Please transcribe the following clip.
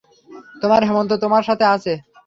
তোমার হেমন্ত তোমার সাথে আছে।